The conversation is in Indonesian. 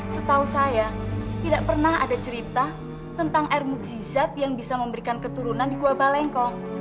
setahu saya tidak pernah ada cerita tentang air mukjizat yang bisa memberikan keturunan di gua balengkong